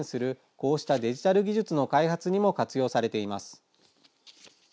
こうしたデジタル技術の開発にも活用されています。